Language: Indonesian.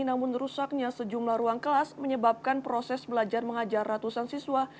namun rusaknya sejumlah ruang kelas menyebabkan proses belajar mengajar ratusan siswa